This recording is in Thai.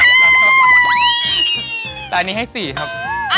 แล้วอันนี้ให้๕ครับ